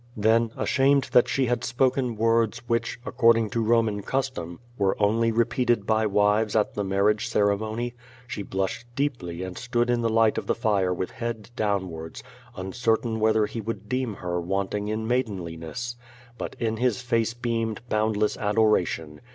Then^ ashamed that she had spoken words^ which, according to Boman custom, were only repeated by wives at the mar riage ceremony, she blushed deeply and stood in the light of the fire with head downwards, uncertain whether he would deem her wanting in maidenliness. But in his face beamed boundless adoration.